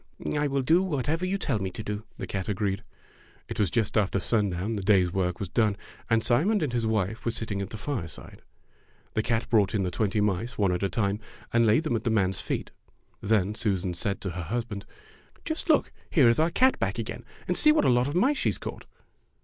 "I will do whatever you tell me to do," the cat agreed. It was just after sundown, the day's work was done, and Simon and his wife were sit ting at the fireside. The cat brought in the Fairy Tale Foxes 77 twenty mice, one at a time, and laid them at the man's feet. Then Susan said to her husband, ''Just look, here is our old cat back again, and see what a lot of mice she has caught."